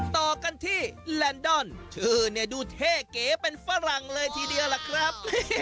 ต่อกันที่แลนดอนชื่อเนี่ยดูเท่เก๋เป็นฝรั่งเลยทีเดียวล่ะครับ